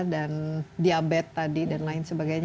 dan diabetes tadi dan lain sebagainya